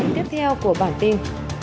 tiếp theo của bản tin